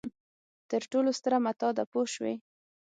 تر ټولو ستره متاع ده پوه شوې!.